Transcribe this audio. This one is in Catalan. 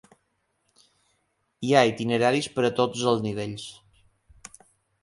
Hi ha itineraris per a tots els nivells.